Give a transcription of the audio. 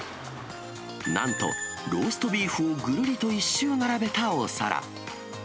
なんと、ローストビーフをぐるりと一周並べたお皿。